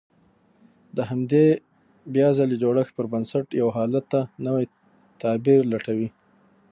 د همدې بيا ځلې جوړښت پر بنسټ يو حالت ته نوی تعبير لټوي.